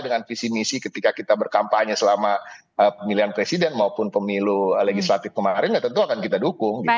dengan visi misi ketika kita berkampanye selama pemilihan presiden maupun pemilu legislatif kemarin ya tentu akan kita dukung